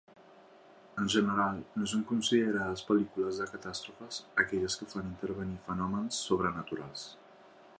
En general no són considerades pel·lícules de catàstrofes aquelles que fan intervenir fenòmens sobrenaturals.